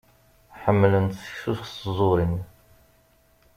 Ḥemmlent seksu s tẓuṛin.